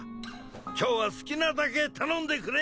今日は好きなだけ頼んでくれ！